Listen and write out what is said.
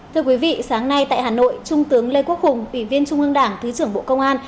thưa quý vị sáng nay tại hà nội trung tướng lê quốc hùng ủy viên trung ương đảng thứ trưởng bộ công an